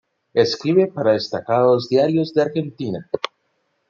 Escribe para destacados diarios de Argentina.